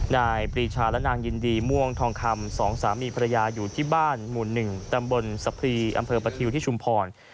ปรีชาและนางยินดีม่วงทองคำสองสามีภรรยาอยู่ที่บ้านหมู่๑ตำบลสะพรีอำเภอประทิวที่ชุมพร